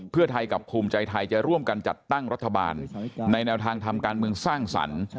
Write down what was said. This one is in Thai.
เพื่อไทยกับภูมิใจไทยจะร่วมกันจัดตั้งรัฐบาลในแนวทางทำการเมืองสร้างสรรค์